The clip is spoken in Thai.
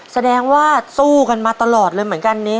แสดงว่าสู้กันมาตลอดเลยเหมือนกันนี้